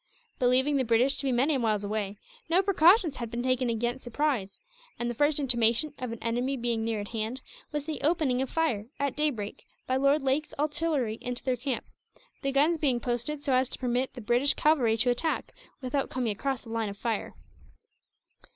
Believing the British to be many miles away, no precautions had been taken against surprise; and the first intimation of an enemy being near at hand was the opening of fire, at daybreak, by Lord Lake's artillery into their camp the guns being posted so as to permit the British cavalry to attack, without coming across the line of fire.